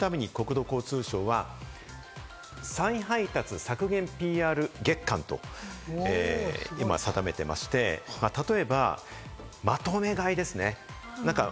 これを削減するために国土交通省は、再配達削減ＰＲ月間と今、定めてまして、例えば、まとめ買いですね。